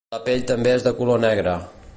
La pell també és de color negre.